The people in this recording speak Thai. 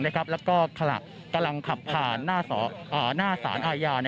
และกำลังขับผ่านหน้าศาลอายา